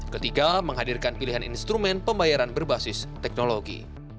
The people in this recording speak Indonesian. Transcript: ketiga menghadirkan pilihan instrumen pembayaran berbasis teknologi